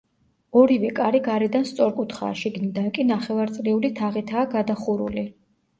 ორივე კარი გარედან სწორკუთხაა, შიგნიდან კი ნახევარწრიული თაღითაა გადახურული.